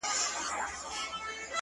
ما او تا د وخت له ښايستو سره راوتي يـو!!